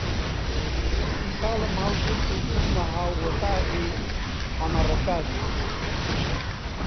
سیپاڵم هەڵگرت و بوومە هاووەتاغی حەمە ڕەشادی